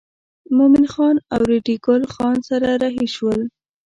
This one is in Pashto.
مومن خان او ریډي ګل خان سره رهي شول.